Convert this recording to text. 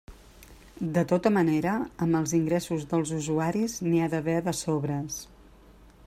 De tota manera, amb els ingressos dels usuaris n'hi ha d'haver de sobres.